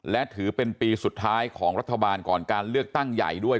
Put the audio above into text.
และถือเป็นปีสุดท้ายของรัฐบาลก่อนการเลือกตั้งใหญ่ด้วย